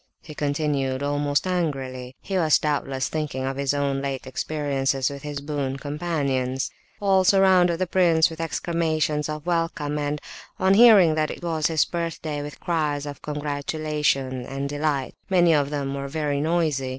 he continued, almost angrily. He was doubtless thinking of his own late experiences with his boon companions. All surrounded the prince with exclamations of welcome, and, on hearing that it was his birthday, with cries of congratulation and delight; many of them were very noisy.